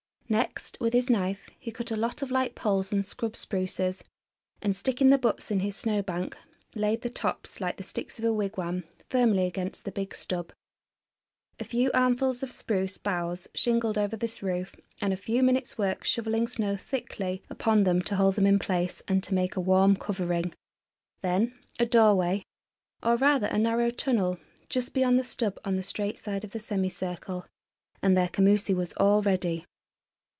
Next with his knife he cut a lot of light poles and scrub spruces and, sticking the butts in his snowbank, laid the tops, like the sticks of a wigwam, firmly against the big stub. A few armfuls of spruce boughs shingled over this roof, and a few minutes' work shoveling snow thickly upon them to hold them in place and to make a warm covering; then a doorway, or rather a narrow tunnel, just beyond the stub on the straight side of the semicircle, and their commoosie was all ready.